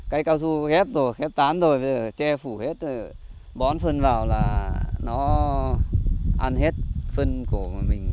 cây cao su ghép rồi khép tán rồi che phủ hết bón phân vào là nó ăn hết phân của mình